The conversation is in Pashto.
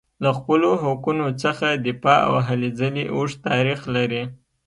له خپلو حقونو څخه دفاع او هلې ځلې اوږد تاریخ لري.